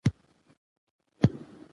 په افغانستان کي د قضاء ډولونه ولیکئ؟